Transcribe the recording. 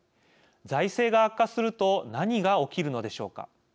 財政が悪化すると何が起きるのでしょうか。